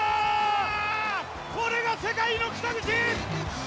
これが世界の北口！